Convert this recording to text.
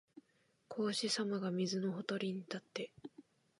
孔子さまが水のほとりに立って、